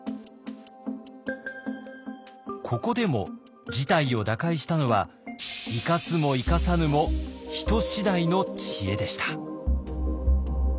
ここでも事態を打開したのは「生かすも生かさぬも人次第」の知恵でした。